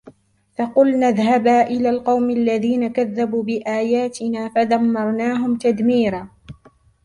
فقلنا اذهبا إلى القوم الذين كذبوا بآياتنا فدمرناهم تدميرا